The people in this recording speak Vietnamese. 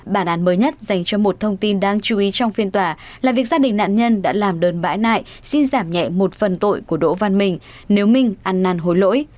bản án mới nhất dành cho một thông tin đáng chú ý trong phiên tòa là việc gia đình nạn nhân đã làm đơn bãi nại xin giảm nhẹ một phần tội của đỗ văn bình nếu minh ăn năn hối lỗi